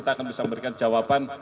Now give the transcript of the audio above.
kita akan bisa memberikan jawaban